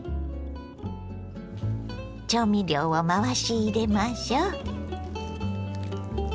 調味料を回し入れましょう。